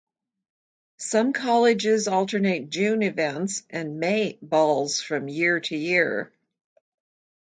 Some colleges alternate June events and May balls from year to year.